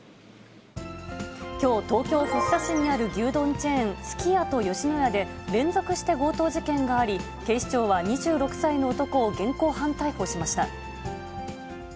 きょう、東京・福生市にある牛丼チェーン、すき家と吉野家で、連続して強盗事件があり、警視庁は２６歳の男を現行犯逮捕しました。